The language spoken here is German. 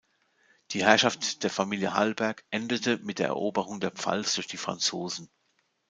Die Herrschaft der Familie Hallberg endete mit der Eroberung der Pfalz durch die Franzosen.